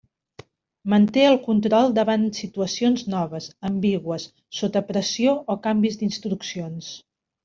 Manté el control davant situacions noves, ambigües, sota pressió o canvis d'instruccions.